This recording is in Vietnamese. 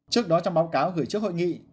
trước đó trong báo cáo gửi trước hội nghị